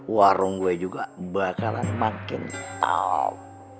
warung gue juga bakalan makin out